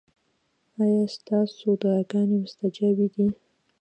ایا ستاسو دعاګانې مستجابې دي؟